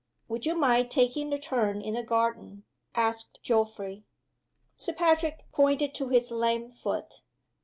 "Would you mind taking a turn in the garden?" asked Geoffrey. Sir Patrick pointed to his lame foot.